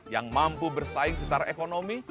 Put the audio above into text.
yang mampu bersaing secara ekonomi